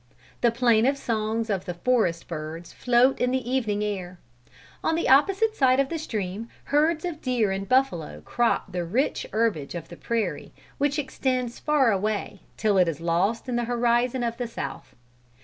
The plaintive songs of forest birds float in the evening air. On the opposite side of the stream, herds of deer and buffalo crop the rich herbage of the prairie, which extends far away, till it is lost in the horizon of the south.